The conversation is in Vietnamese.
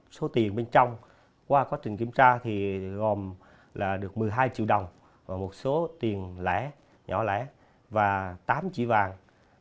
số tiền bên trong qua quá trình kiểm tra thì gồm được một mươi hai triệu đồng và một số tiền lẻ nhỏ lẻ và tám trị vàng